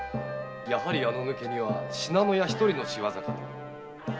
やはりあの抜け荷は信濃屋一人の仕業かと。